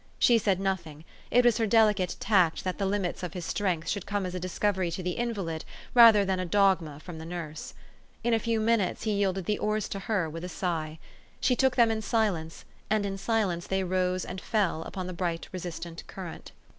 She said nothing : it was 418 THE STORY OF AVIS. her delicate tact that the limits of his strength should come as a discovery to the invalid, rather than a dogma from the nurse. In a few minutes he yielded the oars to her with a sigh. She took them in silence, and in silence they rose and fell upon the bright resistant current.